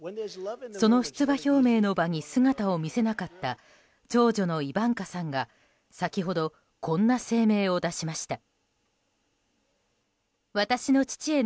その出馬表明の場に姿を見せなかった長女のイバンカさんが先ほど、こんな声明を出しました。